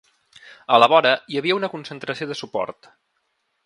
A la vora, hi havia una concentració de suport.